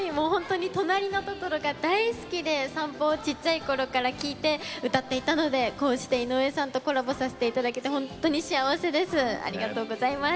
「となりのトトロ」が大好きで散歩をちっちゃいころから聴いて歌っていたのでこうやって井上さんとコラボさせていただいて本当に幸せです。